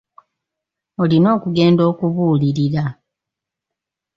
Olina okugenda okubuulirira.